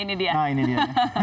nah ini dia